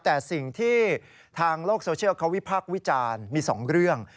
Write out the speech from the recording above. แต่สิ่งที่ทางโลกโซเชียลเขาวิพักษ์วิจารณ์มี๒เรื่อง